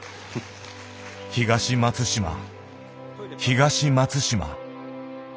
東松島。